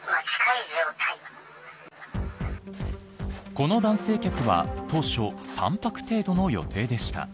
この男性客は当初３泊程度の予定でした。